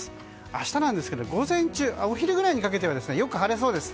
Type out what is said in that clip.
明日なんですが午前からお昼ぐらいにかけてはよく晴れそうです。